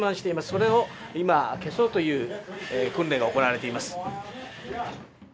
それを今、消そうという訓練が行われています。